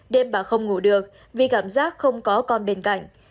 đêm bà không ngủ được vì cảm giác không có con bên cạnh